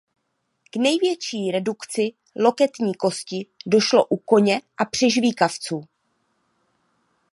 K největší redukci loketní kosti došlo u koně a přežvýkavců.